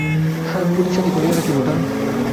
পুঁথি সাথে খুলিয়া রাখি, বোঠান।